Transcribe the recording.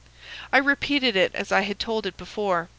"I repeated it as I had told it before.